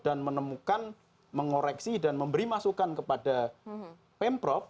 dan menemukan mengoreksi dan memberi masukan kepada pemprov